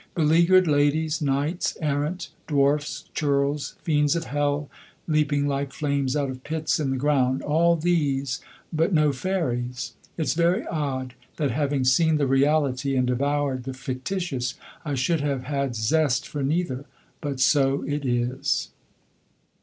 Beleaguered ladies, knights errant, dwarfs, churls, fiends of hell, leaping like flames out of pits in the ground: all these, but no fairies. It's very odd that having seen the reality and devoured the fictitious, I should have had zest for neither, but so it is.